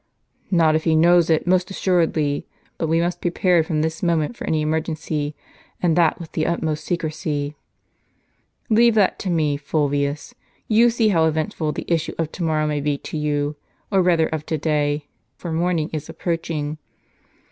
"Not if he knows it, most assuredly. But we must be prepared from this moment for any emergency ; and that with the utmost secrecy." "Leave that to me, Fulvius; you see how eventful the issue of to morrow may be to you, or rather of to day ; for morning is approaching.